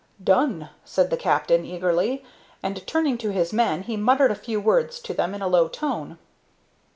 "Done!" said the captain, eagerly; and, turning to his men, he muttered a few words to them in a low tone.